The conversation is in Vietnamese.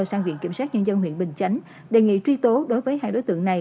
sang viện kiểm sát nhân dân huyện bình chánh đề nghị truy tố đối với hai đối tượng này